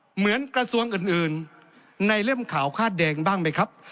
เหมือนกระทรวงอื่นในเล่มข่าวคาดแดงบ้างไหมครับ